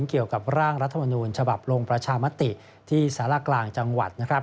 เกี่ยวกับร่างรัฐมนูญฉบับลงประชามติที่สารกลางจังหวัดนะครับ